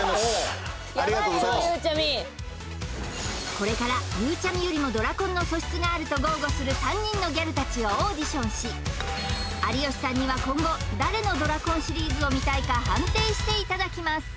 これからと豪語する３人のギャルたちをオーディションし有吉さんには今後誰のドラコンシリーズを見たいか判定していただきます